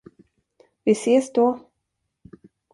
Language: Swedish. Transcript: Vi ses då.